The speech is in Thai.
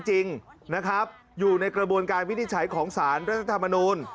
จริงนะครับอยู่ในกระบวนการวินิจฉัยของสารรัฐธรรมนูล